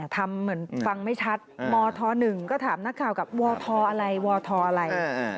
ทำเหมือนฟังไม่ชัดมธ๑ก็ถามนักข่าวกับวทอะไรวทอะไร